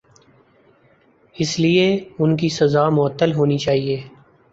اسی لئے ان کی سزا معطل ہونی چاہیے۔